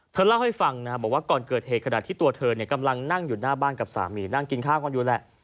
เธอเล่าให้ฟังนะครับบอกว่าก่อนเกิดเหตุขณะที่ตัวเธอกำลังนั่งอยู่หน้าบ้านกับสามีนั่งกินข้าวกันอยู่แหละ